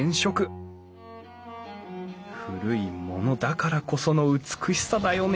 古いものだからこその美しさだよね